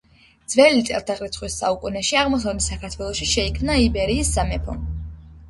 ძვ წ საუკუნეში აღმოსავლეთ საქართველოში შეიქმნა იბერიის სამეფო